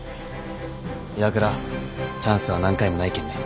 岩倉チャンスは何回もないけんね。